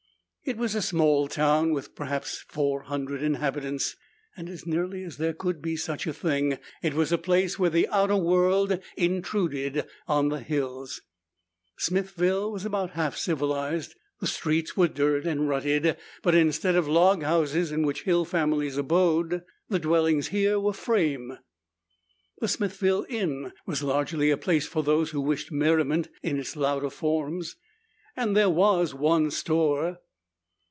It was a small town, with perhaps four hundred inhabitants, and as nearly as there could be such a thing, it was a place where the outer world intruded on the hills. Smithville was about half civilized. The streets were dirt and rutted, but instead of the log houses in which hill families abode, the dwellings here were frame. The Smithville Inn was largely a place for those who wished merriment in its louder forms, and there was one store.